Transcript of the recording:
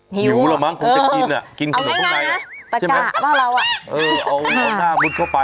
หิวละมั้งควรจะกินเอาหน้าขนมเข้าไป